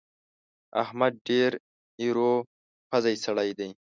احمد ډېر ايرو پزی سړی دی.